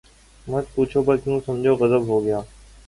”مت پوچھو بس یوں سمجھو، غضب ہو گیا ہے۔